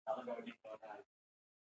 لوړې کچې هوسا دولتونه لري.